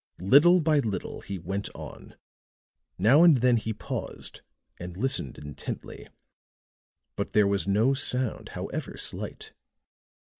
Little by little he went on; now and then he paused and listened intently. But there was no sound, however slight.